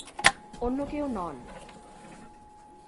অন্য কেউ নন।